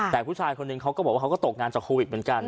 แต่ผู้ชายคนนึงเขาก็บอกว่าเขาก็ตกงานจากโควิดเหมือนกัน